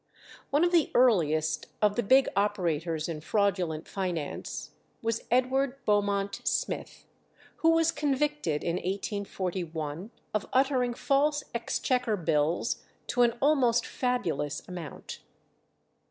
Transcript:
One of the earliest of the big operators in fraudulent finance was Edward Beaumont Smith, who was convicted in 1841 of uttering false exchequer bills to an almost fabulous amount.